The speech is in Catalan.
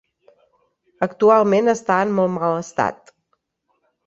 Actualment està en molt mal estat.